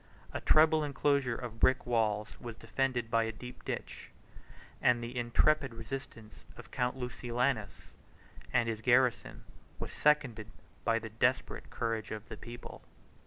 A treble enclosure of brick walls was defended by a deep ditch; 64 and the intrepid resistance of Count Lucilianus, and his garrison, was seconded by the desperate courage of the people.